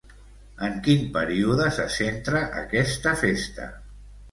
En quin període se centra aquesta festa?